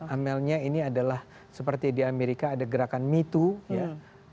amelnya ini adalah seperti di amerika ada gerakan me to ya